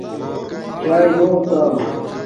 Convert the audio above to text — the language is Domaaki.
چاݵے دے اُتے